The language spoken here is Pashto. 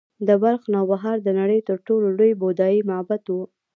د بلخ نوبهار د نړۍ تر ټولو لوی بودايي معبد و